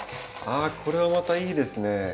あっこれはまたいいですね。